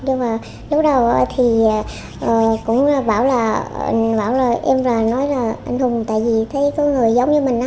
nhưng mà lúc đầu thì cũng bảo là em nói là anh hùng tại vì thấy có người giống như mình á